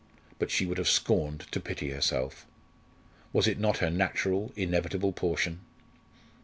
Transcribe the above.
But she would have scorned to pity herself. Was it not her natural, inevitable portion?